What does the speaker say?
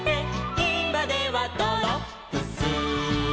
「いまではドロップス」